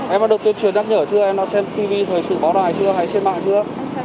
em đã được tuyên truyền nhắc nhở chưa em đã xem tv thời sự báo đài chưa hay trên mạng chưa